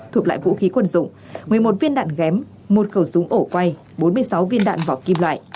thuộc lại vũ khí quân dụng một mươi một viên đạn ghém một khẩu súng ổ quay bốn mươi sáu viên đạn vỏ kim loại